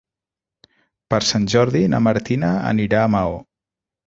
Per Sant Jordi na Martina anirà a Maó.